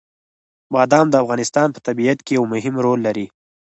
بادام د افغانستان په طبیعت کې یو مهم رول لري.